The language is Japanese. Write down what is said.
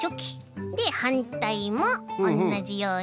ではんたいもおんなじように。